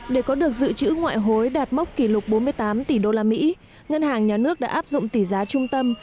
để có được dự trữ ngoại hối đạt mốc kỷ lục bốn mươi tám tỷ đô la mỹ ngân hàng nhà nước đã áp dụng tỷ giá trung tâm